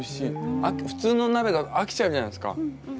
普通の鍋だと飽きちゃうじゃないですか。